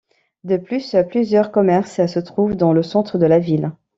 De plus, plusieurs commerces se trouvent dans le centre de la ville.